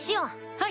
はい。